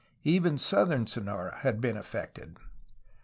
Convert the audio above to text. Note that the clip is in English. Even southern Sonora had been affected.